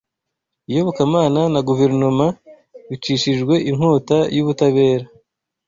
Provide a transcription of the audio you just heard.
Iyobokamana na Guverinoma - Bicishijwe inkota y'Ubutabera